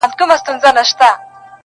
مور د درملو هڅه کوي خو ګټه نه کوي هېڅ,